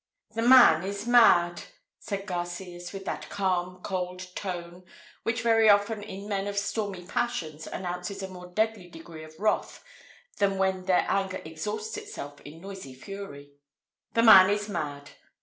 "The man is mad!" said Garcias, with that calm, cold tone which very often in men of stormy passions announces a more deadly degree of wrath than when their anger exhausts itself in noisy fury; "the man is mad!"